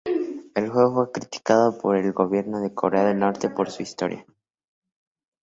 El juego fue criticado por el gobierno de Corea del Norte por su historia.